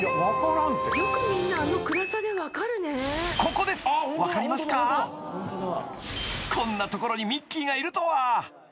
［こんな所にミッキーがいるとは］